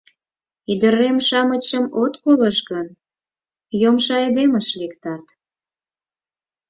— Ӱдырем-шамычым от колышт гын, йомшо айдемыш лектат...